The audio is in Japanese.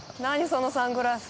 そのサングラス。